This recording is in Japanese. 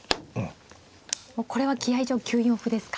これは気合い上９四歩ですか。